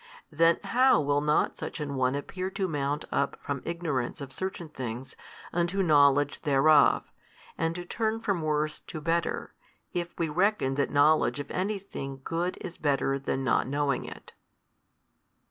Then how will not such an one appear to mount up from ignorance of certain things unto knowledge thereof, and to turn from worse to better, if we reckon that knowledge of any thing good is better than not knowing it?